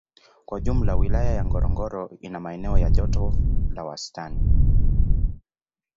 Kwa ujumla Wilaya ya Ngorongoro ina maeneo ya joto la washastani